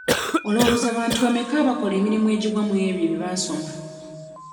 Olowooza bantu bammeka abakola emirimu egigwa mw'ebyo bye baasoma?